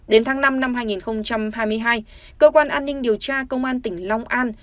đến tháng năm năm hai nghìn hai mươi hai cơ quan an ninh điều tra công an tỉnh long an